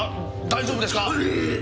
大丈夫ですか？